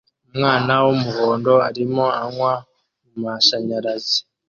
Umwana wumuhondo arimo anywa mumashanyarazi